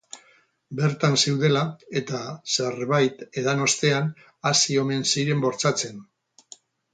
Bertan zeudela, eta zerbait edan ostean, hasi omen ziren bortxatzen.